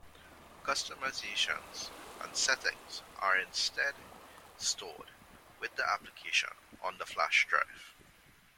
Customizations and settings are instead stored with the application on the flash drive.